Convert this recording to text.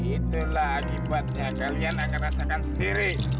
itulah akibatnya kalian akan rasakan sendiri